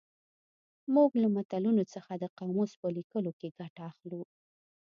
موږ له متلونو څخه د قاموس په لیکلو کې ګټه اخلو